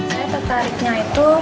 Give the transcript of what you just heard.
saya tertariknya itu